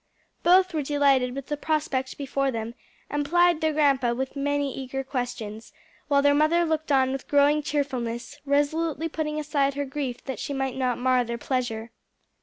Both were delighted with the prospect before them, and plied their grandpa with many eager questions, while their mother looked on with growing cheerfulness, resolutely putting aside her grief that she might not mar their pleasure.